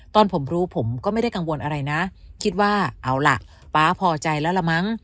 ตอนผมรู้ผมก็ไม่ได้กังวลอะไรนะคิดว่าเอาล่ะป๊าพอใจแล้วละมั้ง